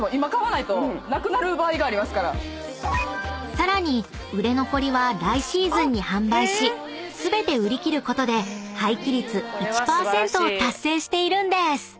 ［さらに売れ残りは来シーズンに販売し全て売り切ることで廃棄率１％を達成しているんです］